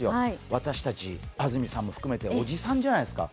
私たち、安住さんも含めておじさんじゃないですか。